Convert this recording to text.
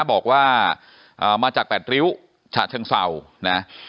บอกว่ามาจากแปดริ้วฉะเชิงเศร้านะ